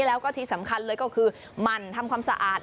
แล้วก็ที่สำคัญเลยก็คือหมั่นทำความสะอาด